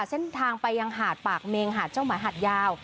เส้นทางไปยังหาดปากเมงหาดเจ้าหมาหาดยาว